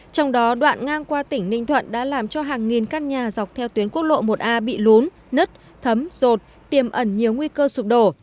trong đó đoạn ngang qua tỉnh ninh thuận đã làm cho hàng nghìn căn nhà dọc theo tuyến quốc lộ một a bị lún nứt thấm rột tiềm ẩn nhiều nguy cơ sụp đổ